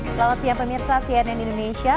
selamat siang pemirsa cnn indonesia